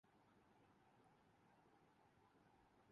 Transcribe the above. وزیر داخلہ کی دینی حمیت تو ہر شک و شبہ سے پاک ہے۔